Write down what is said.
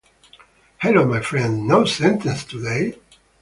Hello my friend, no sentences today?